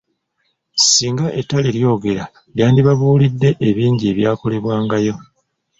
Ssinga ettale lyogera lyandibabuulidde ebingi ebyakolebwangayo.